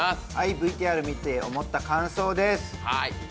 ＶＴＲ見て思った感想です。